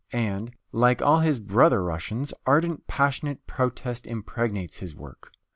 And, like all his brother Russians, ardent, passionate protest impregnates his work.